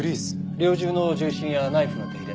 猟銃の銃身やナイフの手入れ